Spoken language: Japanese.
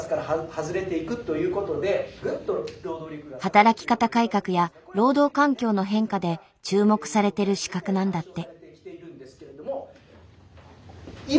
働き方改革や労働環境の変化で注目されてる資格なんだって。